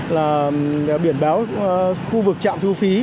là biển báo khu vực trạm thu phí